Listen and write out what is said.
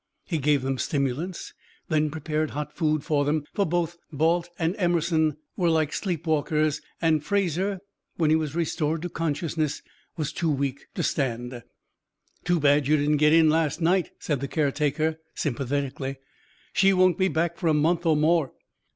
He gave them stimulants, then prepared hot food for them, for both Balt and Emerson were like sleep walkers; and Fraser, when he was restored to consciousness, was too weak to stand. "Too bad you didn't get in last night," said the care taker, sympathetically. "She won't be back now for a month or more."